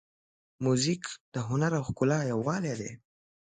موزیک د هنر او ښکلا یووالی دی.